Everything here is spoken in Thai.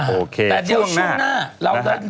โอเคช่วงหน้าแต่เดี๋ยวช่วงหน้า